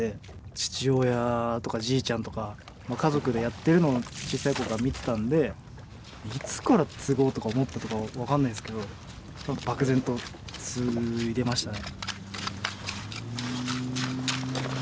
父親とかじいちゃんとか家族でやってるのを小さい頃から見てたんでいつから継ごうとか思ったとかは分かんないっすけど漠然と継いでましたね。